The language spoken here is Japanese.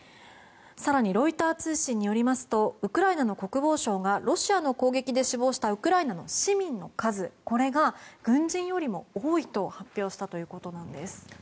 更に、ロイター通信によりますとウクライナの国防相がロシアの攻撃で死亡したウクライナの市民の数これが軍人よりも多いと発表したということなんです。